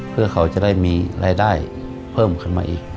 เพื่อเขาจะได้มีรายได้เพิ่มขึ้นมาอีก